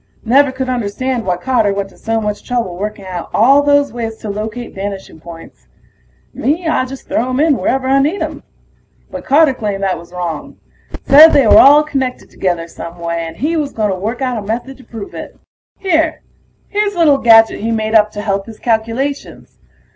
Never could understand why Carter went to so much trouble working out all those ways to locate vanishing points. Me, I just throw 'em in wherever I need 'em. But Carter claimed that was wrong. Said they were all connected together some way, and he was gonna work out a method to prove it. Here ... here's a little gadget he made up to help his calculations.